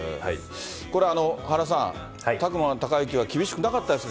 これ、原さん、宅間孝行は厳しくなかったですか？